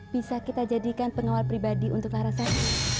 bisa kita jadikan pengawal pribadi untuk larasan